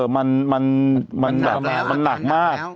มันหนักมาก